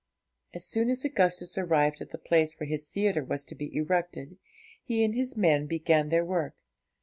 As soon as Augustus arrived at the place where his theatre was to be erected, he and his men began their work.